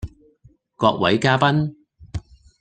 各位嘉賓